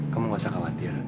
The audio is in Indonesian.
kamu nggak usah khawatir